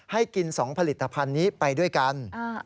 ให้กิน๒ผลิตภัณฑ์นี้ไปด้วยกัน